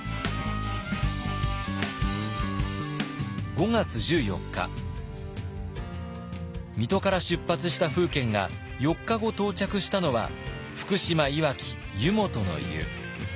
５月１４日水戸から出発した楓軒が４日後到着したのは福島いわき湯本の湯。